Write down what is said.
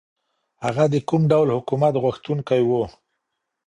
هغه د کوم ډول حکومت غوښتونکی و؟